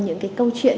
những cái câu chuyện